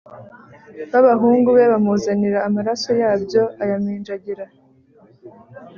b Abahungu be bamuzanira amaraso yabyo ayaminjagira